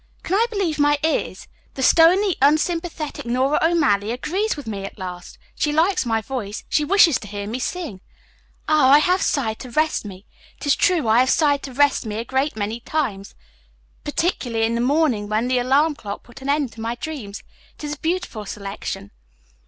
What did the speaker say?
"Can I believe my ears? The stony, unsympathetic Nora O'Malley agrees with me at last. She likes my voice; she wishes to hear me sing, 'Ah, I Have Sighed to Rest Me.' 'Tis true, I have sighed to rest me a great many times, particularly in the morning when the alarm clock put an end to my dreams. It is a beautiful selection."